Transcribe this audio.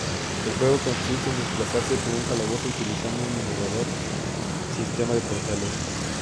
El juego consiste en desplazarse por un calabozo utilizando un innovador sistema de portales.